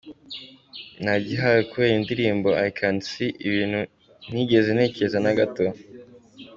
Nagihawe kubera indirimbo I can see, ibintu ntigeze ntekereza na gato”.